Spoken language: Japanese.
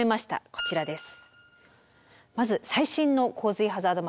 こちらです。